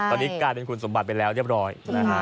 ตอนนี้กลายเป็นคุณสมบัติไปแล้วเรียบร้อยนะฮะ